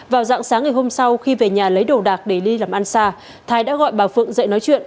vào dạng sáng ngày hôm sau khi về nhà lấy đồ đạc để đi làm ăn xa thái đã gọi bà phượng dậy nói chuyện